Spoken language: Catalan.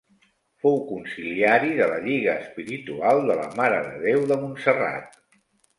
Fou consiliari de la Lliga Espiritual de la Mare de Déu de Montserrat.